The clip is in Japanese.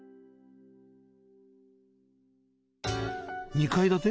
２階建て？